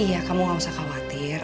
iya kamu gak usah khawatir